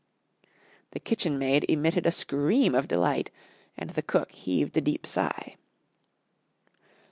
The kitchen maid emitted a scream of delight and the cook heaved a deep sigh.